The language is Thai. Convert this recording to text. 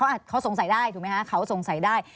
เขาสงสัยได้ถูกไหมคะเขาสงสัยได้